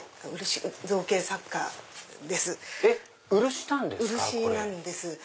漆なんです。